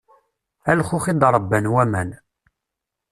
A lxux i d-ṛebban waman.